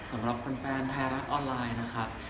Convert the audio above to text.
สำหรับแฟนไทยรัฐออนไลน์นะครับ